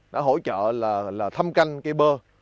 đã hỗ trợ là thăm canh cây bơ